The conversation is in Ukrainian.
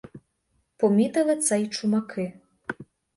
Помітили це й чумаки.